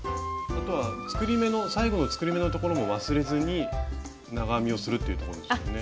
あとは最後の作り目のところも忘れずに長編みをするっていうところですよね。